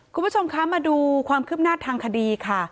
คุณผู้ชมคะมาดูความคืบหน้าทางคดีค่ะ